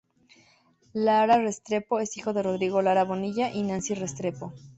Lara Restrepo es hijo de Rodrigo Lara Bonilla y Nancy Restrepo.